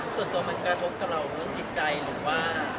ส่วนตัวมันกระทบกับเรามีความติดใจหรือว่า